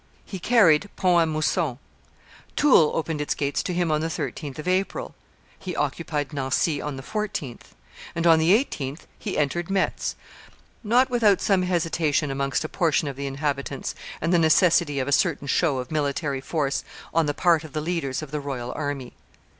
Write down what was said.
He carried Pont a Mousson; Toul opened its gates to him on the 13th of April; he occupied Nancy on the 14th, and on the 18th he entered Metz, not without some hesitation amongst a portion of the inhabitants and the necessity of a certain show of military force on the part of the leaders of the royal army.